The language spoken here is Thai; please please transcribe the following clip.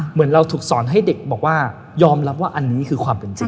เหมือนเราถูกสอนให้เด็กบอกว่ายอมรับว่าอันนี้คือความเป็นจริง